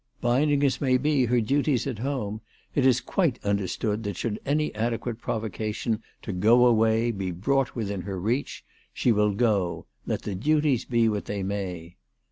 Binding as may be her duties at home, it is quite understood that should any adequate provocation to "go away " be brought within her reach, she will go, let the duties be what they may.